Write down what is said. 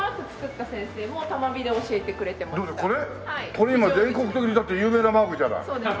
これ今全国的にだって有名なマークじゃない。